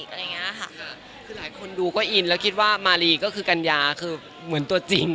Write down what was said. คือหลายคนดูก็อินแล้วคิดว่ามาลีก็คือกัญญาคือเหมือนตัวจริง